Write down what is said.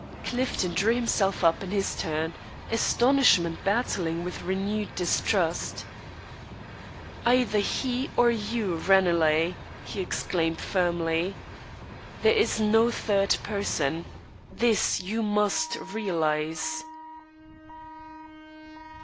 Clifton drew himself up in his turn, astonishment battling with renewed distrust. "Either he or you, Ranelagh!" he exclaimed, firmly. "There is no third person. This you must realise."